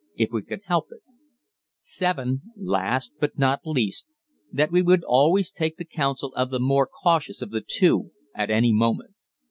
if we could help it; (7) last, but not least, that we would always take the counsel of the more cautious of the two at any moment.